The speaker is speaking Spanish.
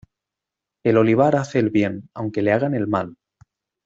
El olivar hace el bien, aunque le hagan el mal.